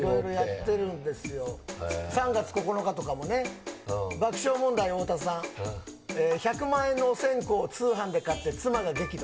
あるんですよ、３月９日とかもね、爆笑問題・太田さん、１００万円のお線香を通販で買って妻が激怒。